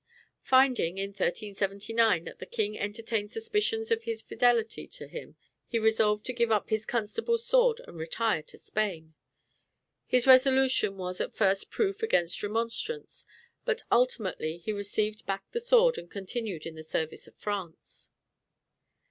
Finding, in 1379, that the king entertained suspicions of his fidelity to him, he resolved to give up his constable's sword and retire to Spain. His resolution was at first proof against remonstrance; but ultimately he received back the sword, and continued in the service of France.